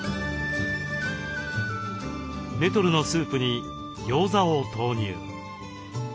ネトルのスープにギョーザを投入。